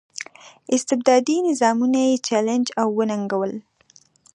استبدادي نظامونه یې چلنج او وننګول.